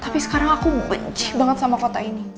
tapi sekarang aku benci banget sama kota ini